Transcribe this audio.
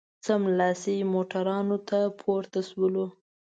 سملاسي موټرانو ته پورته شولو.